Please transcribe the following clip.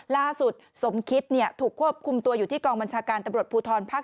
สมคิดถูกควบคุมตัวอยู่ที่กองบัญชาการตำรวจภูทรภาค๔